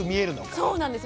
そうなんです。